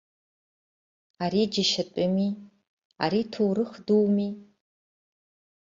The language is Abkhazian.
Ари џьашьатәыми, ари ҭоурых дууми!